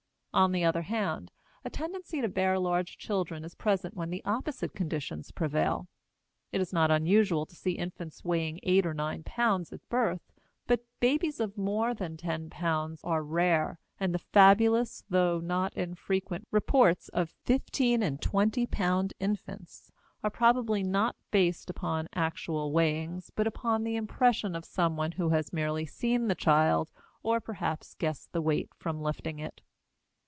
On the other hand, a tendency to bear large children is present when the opposite conditions prevail. It is not unusual to see infants weighing eight or nine pounds at birth, but babies of more than ten pounds are rare, and the fabulous, though not infrequent, reports of fifteen and twenty pound infants are probably not based upon actual weighings, but upon the impression of someone who has merely seen the child or perhaps guessed the weight from lifting it.